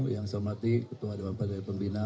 yang selamat ketua dewan partai pembina